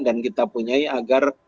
dan kita punya agar